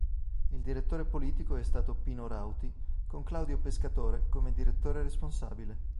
Il Direttore politico è stato Pino Rauti con Claudio Pescatore come direttore responsabile.